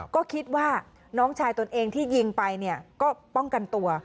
ก็คิดว่าน้องชายตนเองที่ยิงไปเนี่ยก็ป้องกันตัว